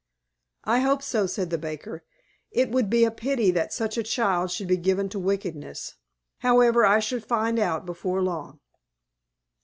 "I hope so," said the baker; "it would be a pity that such a child should be given to wickedness. However, I shall find out before long."